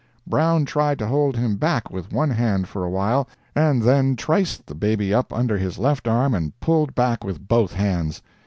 Brown tried to hold him back with one hand for a while, and then triced the baby up under his left arm, and pulled back with both hands.